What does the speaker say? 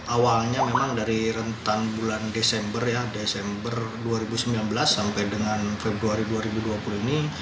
awalnya memang dari rentan bulan desember ya desember dua ribu sembilan belas sampai dengan februari dua ribu dua puluh ini